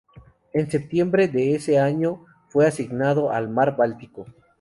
En septiembre de ese año, fue asignado al mar Báltico.